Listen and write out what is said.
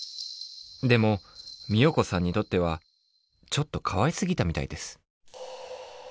でも美代子さんにとってはちょっとかわいすぎたみたいです。